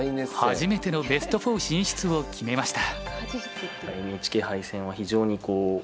初めてのベスト４進出を決めました。